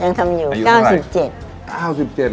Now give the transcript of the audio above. ยังทำอยู่อายุเก้า๑๗